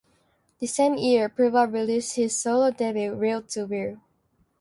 The same year, Puba released his solo debut, "Reel to Reel".